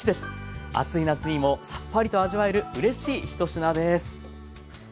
暑い夏にもサッパリと味わえるうれしい１品です。